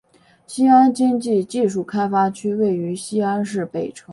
西安经济技术开发区位于西安市北城。